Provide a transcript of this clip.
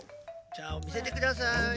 じゃあみせてください。